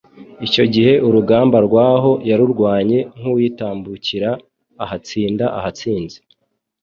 Icyogihe urugamba rwaho yarurwanye nk'uwitambukira ahatsinda ahatsinze,